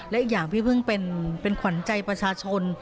และอีกอย่างพี่เพิ่งเป็นขวัญใจประชาชน